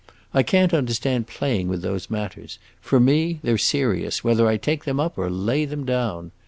I can't understand playing with those matters; for me they 're serious, whether I take them up or lay them down.